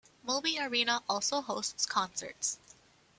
Moby Arena also hosts concerts.